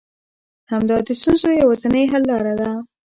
همدا د ستونزو يوازنۍ حل لاره ده.